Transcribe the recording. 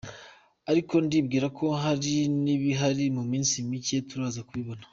Ariko ndibwira ko hari n’ibihari mu minsi mike turaza kubibona.